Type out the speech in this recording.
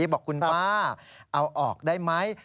บอกคุณป้าเอาออกได้ไหม